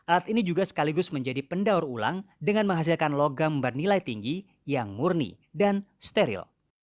alat ini juga sekaligus menjadi pendaur ulang dengan menghasilkan logam bernilai tinggi yang murni dan steril